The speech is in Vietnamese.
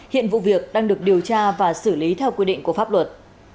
hiện vụ việc đang được điều tra và xử lý theo quy định của pháp luật